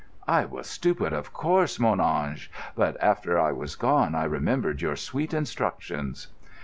"I was stupid, of course, mon ange; but after I was gone I remembered your sweet instructions."